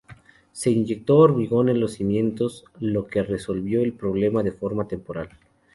Se inyectó hormigón en los cimientos, lo que resolvió el problema de forma temporal.